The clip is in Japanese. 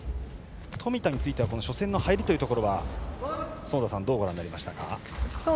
冨田については初戦の入りというところは園田さんはどうご覧になりましたか。